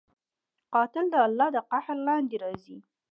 قاتل د الله د قهر لاندې راځي